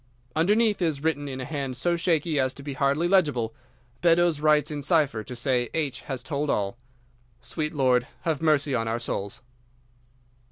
"Underneath is written in a hand so shaky as to be hardly legible, 'Beddoes writes in cipher to say H. has told all. Sweet Lord, have mercy on our souls!